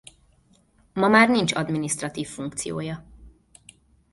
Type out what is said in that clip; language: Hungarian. Ma már nincs adminisztratív funkciója.